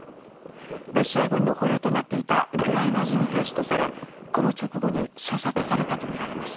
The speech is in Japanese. ロシア軍の捕虜となっていたウクライナ人兵士とされこの直後に射殺されたとみられます。